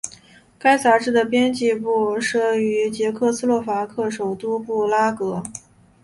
该杂志的编辑部设于捷克斯洛伐克首都布拉格。